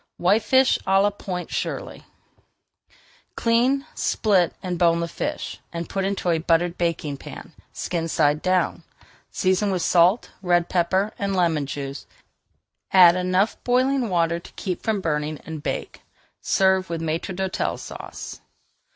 WHITEFISH À LA POINT SHIRLEY Clean, split, and bone the fish, and put into a buttered baking pan, skin side down. Season with salt, red pepper, and lemon juice, add enough boiling water to keep from burning, and bake. Serve with Maître d'Hôtel Sauce.